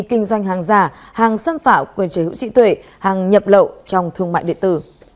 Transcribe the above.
không đảm bảo quyền chế hữu trị tuệ hàng nhập lậu trong thương mại điện tử